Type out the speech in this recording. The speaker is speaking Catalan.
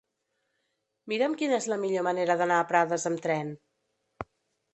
Mira'm quina és la millor manera d'anar a Prades amb tren.